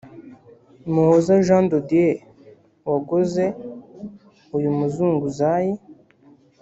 Muhoza Jean de Dieu wagoze uyu muzunguzayi